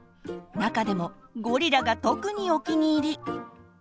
中でもゴリラが特にお気に入り。